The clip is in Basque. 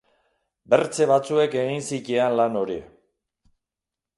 Bertze batzuek egin zitean lan hori.